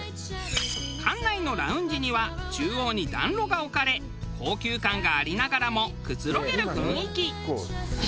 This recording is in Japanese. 館内のラウンジには中央に暖炉が置かれ高級感がありながらもくつろげる雰囲気。